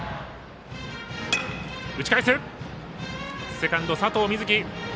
セカンド、佐藤瑞祇。